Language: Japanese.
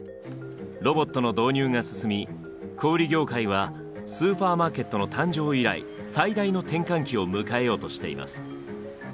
ロボットの導入が進み小売業界はスーパーマーケットの誕生以来最大の転換期を迎えようとしています。